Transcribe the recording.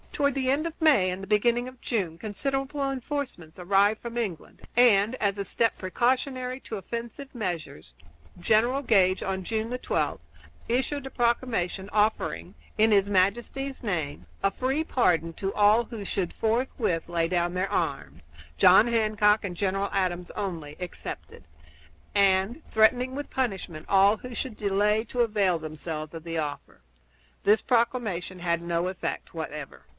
Toward the end of May and beginning of June considerable re enforcements arrived from England, and, as a step preparatory to offensive measures, General Gage, on June 12, issued a proclamation offering, in his Majesty's name, a free pardon to all who should forthwith lay down their arms, John Hancock and General Adams only excepted, and threatening with punishment all who should delay to avail themselves of the offer. This proclamation had no effect whatever.